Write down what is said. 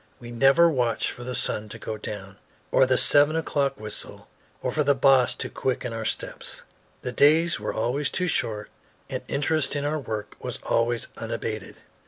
We never watched for the sun to go down, or for the seven o'clock whistle, or for the boss to quicken our steps. The days were always too short, and interest in our work was always unabated.